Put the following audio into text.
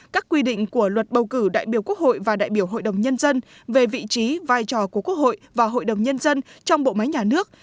các quy định của luật bầu cử đại biểu quốc hội và đại biểu hội đồng nhân dân về vị trí vai trò của quốc hội và hội đồng nhân dân trong bộ máy nhà nước